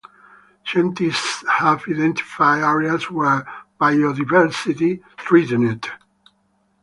Scientists have identified areas where biodiversity threatened.